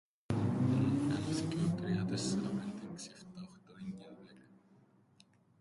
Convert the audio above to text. Έναν, θκυο, τρία, τέσσερα, πέντε, έξι, εφτά, οχτώ, εννιά, δέκα.